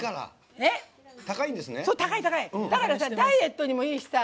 だから、ダイエットにもいいしさ